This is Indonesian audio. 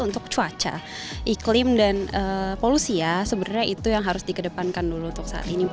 untuk cuaca iklim dan polusi ya sebenarnya itu yang harus dikedepankan dulu untuk saat ini